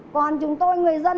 còn chúng tôi người dân